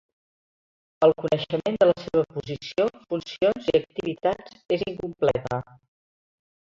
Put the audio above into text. El coneixement de la seva posició, funcions i activitats és incompleta.